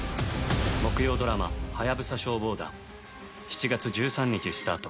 木曜ドラマ『ハヤブサ消防団』７月１３日スタート。